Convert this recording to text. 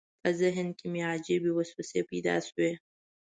په ذهن کې مې عجیبې وسوسې پیدا شوې.